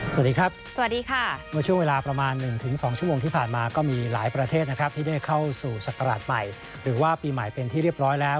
สวัสดีครับสวัสดีค่ะเมื่อช่วงเวลาประมาณ๑๒ชั่วโมงที่ผ่านมาก็มีหลายประเทศนะครับที่ได้เข้าสู่ศักราชใหม่หรือว่าปีใหม่เป็นที่เรียบร้อยแล้ว